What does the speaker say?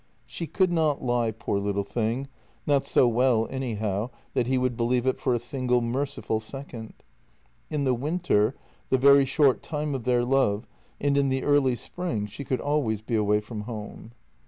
She could not lie, poor little thing, not so well, anyhow, that he would believe it for a single merciful second. In the winter — the very short time of their love — and in the early spring she could always be away from home.